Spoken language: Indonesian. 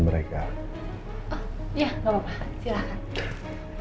ya nggak apa apa silahkan